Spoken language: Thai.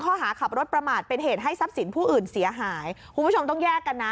ข้อหาขับรถประมาทเป็นเหตุให้ทรัพย์สินผู้อื่นเสียหายคุณผู้ชมต้องแยกกันนะ